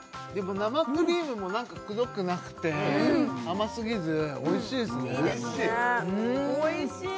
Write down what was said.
生クリームもくどくなくて甘すぎずおいしいですねいいですねおいしい！